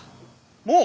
もう！？